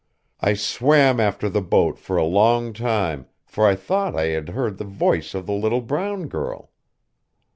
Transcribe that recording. "I swam after the boat for a long time, for I thought I had heard the voice of the little brown girl.